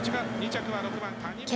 ２着は６番谷村。